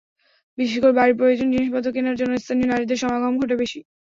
বিশেষ করে বাড়ির প্রয়োজনীয় জিনিসপত্র কেনার জন্য স্থানীয় নারীদের সমাগম ঘটে বেশি।